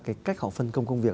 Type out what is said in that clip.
cái cách họ phân công công việc